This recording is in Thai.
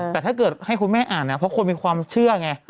แต่ถ้าเกิดให้คุณแม่อ่านนะเพราะคนมีความเชื่อไง